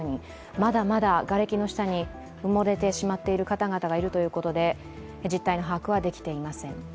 まだまだがれきの下に埋もれてしまっている方々がいるということで実態の把握はできていません。